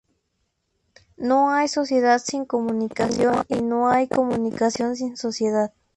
No hay sociedad sin comunicación y no hay comunicación sin sociedad.